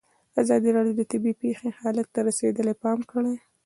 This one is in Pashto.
ازادي راډیو د طبیعي پېښې حالت ته رسېدلي پام کړی.